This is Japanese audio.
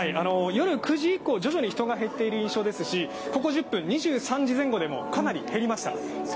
夜９時以降、徐々に人が減っている印象ですし、ここ１０分、２３時前後でもかなり減りました。